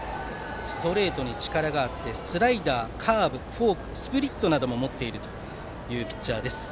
ストレートに力があってスライダー、カーブフォーク、スプリットなども持つピッチャーです。